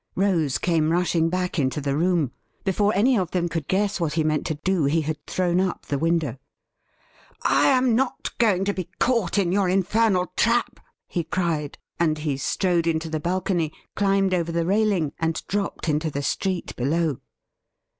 Rose came rushing back into the room. Before any of them could guess what he meant to do, he had thrown up the window. ' I am not going to be caught in your infernal trap,' he cried ; and he strode into the balcony, climbed over the railing, and dropped into the street below.